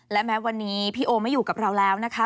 และแม้วันนี้พี่โอไม่อยู่กับเราแล้วนะคะ